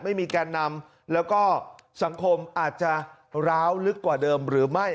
มีการนำแล้วก็สังคมอาจจะร้าวลึกกว่าเดิมหรือไม่